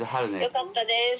よかったです。